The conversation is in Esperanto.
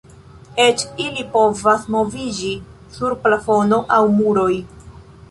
Eĉ ili povas moviĝi sur plafono aŭ muroj.